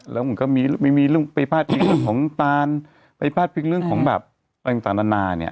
แล้วมันก็มีไม่มีเรื่องปริภาษาจริงของตานปริภาษาจริงเรื่องของแบบตานตานาเนี้ย